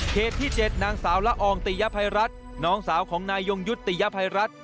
เหตุที่๗นางสาวละอองติยภัยรัฐน้องสาวของนายยงยุติยภัยรัฐ